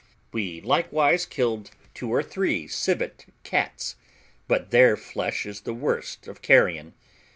We likewise killed two or three civet cats; but their flesh is the worst of carrion.